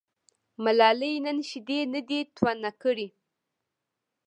ملالۍ نن شیدې نه دي تونه کړي.